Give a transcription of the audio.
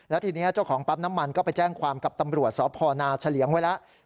แล้วทีนี้เจ้าของปั๊มน้ำมันก็ไปแจ้งความกับตำรวจสพนาเฉลี่ยงไว้แล้ว